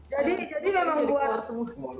jadi memang gue